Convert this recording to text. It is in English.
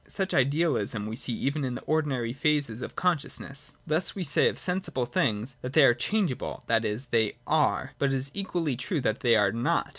Such idealism we see even in the ordinary phases of consciousness. Thus we say of sensible things, that they are changeable : that is, they are, but it is equally true that they are not.